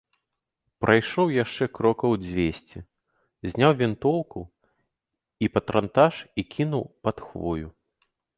Прайшоў яшчэ крокаў дзвесце, зняў вінтоўку і патранташ і кінуў пад хвою.